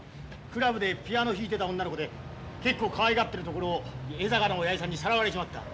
クラブでピアノ弾いてた女の子で結構かわいがってるところを江坂のおやじさんにさらわれちまった。